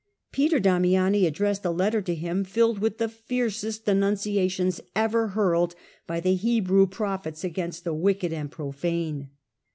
Peter Damiani addressed a letter to him filled with the fiercest denunciations ever hurled by the Hebrew prophets against the wicked and profane.